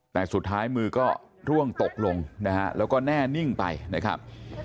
แต่สุดท้ายมือก็ร่วงตกลงนะฮะแล้วก็แน่นิ่งไปนะครับ